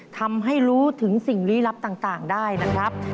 ทำให้รู้ถึงสิ่งลี้ลับต่างได้นะครับ